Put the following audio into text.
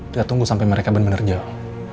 kita tunggu sampe mereka bener bener jauh